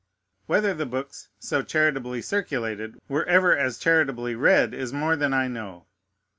Whether the books so charitably circulated were ever as charitably read is more than I know.